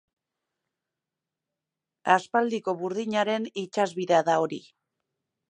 Aspaldiko burdinaren itsasbidea da hori.